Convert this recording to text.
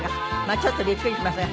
ちょっとびっくりしますが。